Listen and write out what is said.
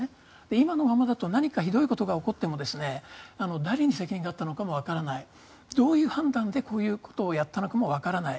今のままだと何かひどいことが起こっても誰に責任があったのかもわからないどういう判断でこういうことをやったのかもわからない。